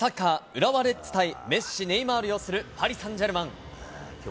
浦和レッズ対メッシ、ネイマール擁するパリ・サンジェルマン。